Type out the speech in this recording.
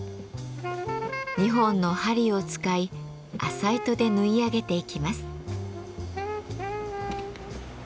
２本の針を使い麻糸で縫い上げていきます。